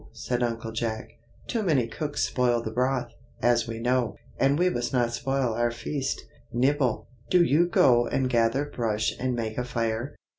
said Uncle Jack. "Too many cooks spoil the broth, as we know, and we must not spoil our feast. Nibble, do you go and gather brush and make a fire.